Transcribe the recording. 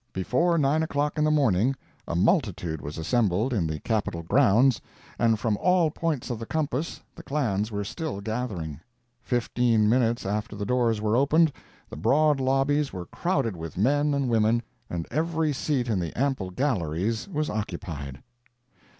Before 9 o'clock in the morning a multitude was assembled in the Capitol grounds, and from all points of the compass the clans were still gathering. Fifteen minutes after the doors were opened, the broad lobbies were crowded with men and women, and every seat in the ample galleries was occupied.